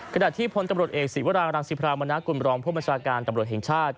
กระดาษที่พลตำรวจเอกสิวารารังสิพราบมนักกุลรองค์พมจตำรวจแห่งชาติ